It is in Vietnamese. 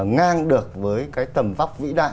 ngang được với cái tầm vóc vĩ đại